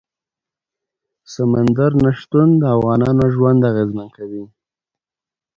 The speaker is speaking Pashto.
سمندر نه شتون د افغانانو ژوند اغېزمن کوي.